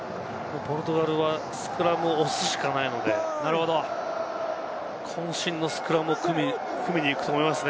ポルトガルはスクラムを押すしかないので、こん身のスクラムを組みに行くと思いますよ。